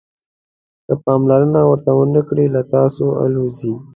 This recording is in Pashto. که پاملرنه ورته ونه کړئ له تاسو الوزي.